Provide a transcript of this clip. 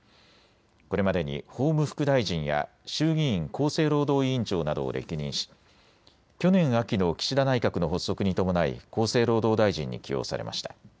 これまでに法務副大臣や衆議院厚生労働委員長などを歴任し去年秋の岸田内閣の発足に伴い厚生労働大臣に起用されました。